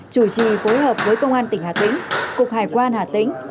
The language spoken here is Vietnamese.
chủ trì phối hợp với công an tỉnh hà tĩnh cục hải quan hà tĩnh